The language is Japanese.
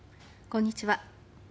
こんにちは。